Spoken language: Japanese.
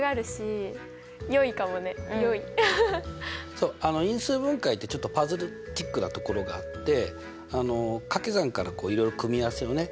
そう因数分解ってちょっとパズルチックなところがあってかけ算からいろいろ組み合わせをね